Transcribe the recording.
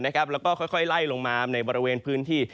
แล้วก็ค่อยไล่ลงมาในบริเวณพื้นที่